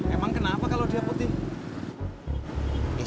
emang kenapa kalau dia putih